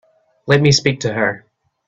Let me speak to her.